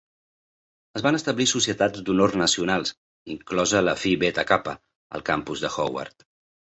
Es van establir societats d'honor nacionals, inclosa la Phi Beta Kappa, al campus de Howard.